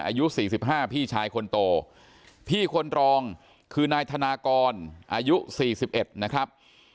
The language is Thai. อายุ๔๕พี่ชายคนโตพี่คนรองคือนายธนากรอายุ๔๑นะครับ